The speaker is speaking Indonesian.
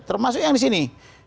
termasuk yang di sini